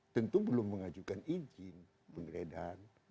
tentu belum mengajukan izin penggeledahan